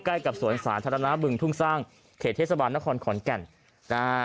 ใกล้กับสวนสาธารณะบึงทุ่งสร้างเขตเทศบาลนครขอนแก่นนะฮะ